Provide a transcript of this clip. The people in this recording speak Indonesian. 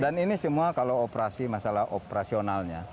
dan ini semua kalau operasi masalah operasionalnya